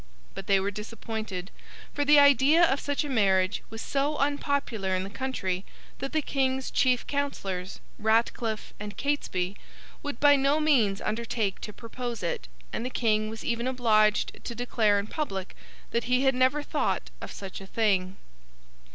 But they were disappointed, for the idea of such a marriage was so unpopular in the country, that the King's chief counsellors, Ratcliffe and Catesby, would by no means undertake to propose it, and the King was even obliged to declare in public that he had never thought of such a thing.